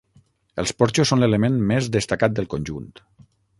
Els porxos són l'element més destacat del conjunt.